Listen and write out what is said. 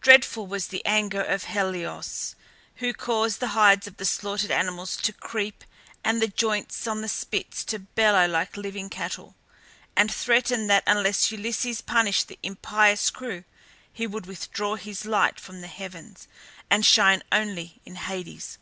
Dreadful was the anger of Helios, who caused the hides of the slaughtered animals to creep and the joints on the spits to bellow like living cattle, and threatened that unless Zeus punished the impious crew he would withdraw his light from the heavens and shine only in Hades.